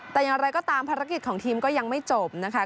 แต่อย่างไรก็ตามภารกิจของทีมก็ยังไม่จบนะคะ